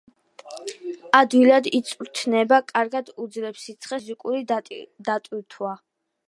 ადვილად იწვრთნება, კარგად უძლებს სიცხეს, სჭირდება დამატებითი ფიზიკური დატვირთვა.